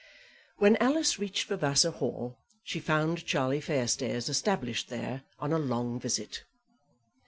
When Alice reached Vavasor Hall she found Charlie Fairstairs established there on a long visit.